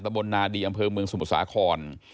ตะบนนาฬีอำเภอเมืองสุมศาคร